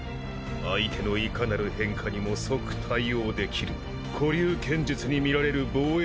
相手のいかなる変化にも即対応できる古流剣術にみられる防衛堅固の構え。